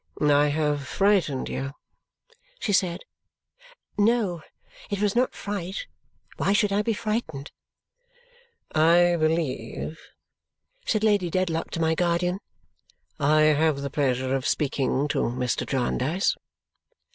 "I have frightened you?" she said. No. It was not fright. Why should I be frightened! "I believe," said Lady Dedlock to my guardian, "I have the pleasure of speaking to Mr. Jarndyce."